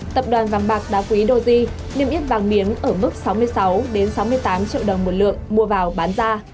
tập đoàn vàng bạc đá quý doji niêm yết vàng miếng ở mức sáu mươi sáu sáu mươi tám triệu đồng một lượng mua vào bán ra